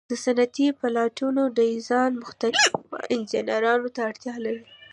د صنعتي پلانټونو ډیزاین مختلفو انجینرانو ته اړتیا لري.